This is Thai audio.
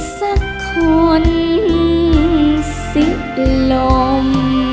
สักคนสิบลม